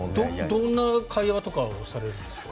どんな会話とかをされるんですか？